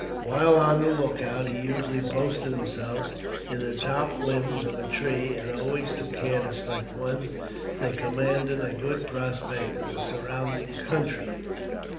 While on the lookout, he usually posted himself in the top limbs of a tree and always took care to select one that commanded a good prospect of the surrounding country.